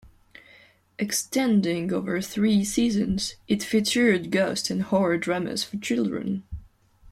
Extending over three seasons, it featured ghost and horror dramas for children.